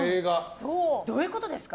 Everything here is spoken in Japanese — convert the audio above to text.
どういうことですか？